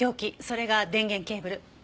それが電源ケーブル。